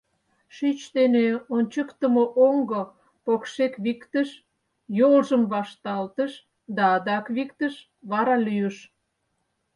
Шӱч дене ончыктымо оҥго покшек виктыш, йолжым вашталтыш да адак виктыш, вара лӱйыш.